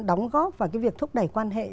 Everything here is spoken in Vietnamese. đóng góp và cái việc thúc đẩy quan hệ